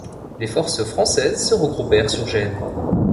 Les forces françaises se regoupèrent sur Gênes.